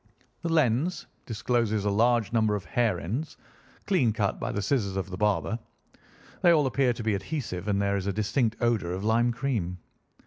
The lens discloses a large number of hair ends, clean cut by the scissors of the barber. They all appear to be adhesive, and there is a distinct odour of lime cream.